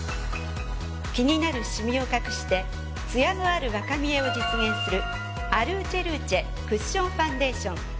気になるシミを隠してツヤのある若見えを実現するＡｌｕｃｅｌｕｃｅクッションファンデーション。